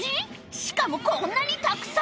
しかもこんなにたくさん！